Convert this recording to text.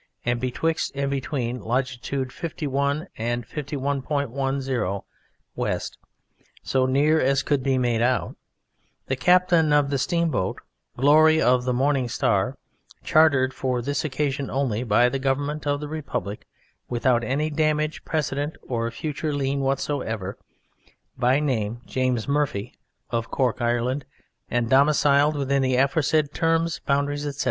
and betwixt and between Longitude 51 W. and 51.10° W., so near as could be made out, the captain of the steamboat "Glory of the Morning Star" (chartered for this occasion only by the Government of the Republic, without any damage, precedent or future lien whatsoever), by name James Murphy, of Cork, Ireland, and domiciled within the aforesaid terms, boundaries, etc.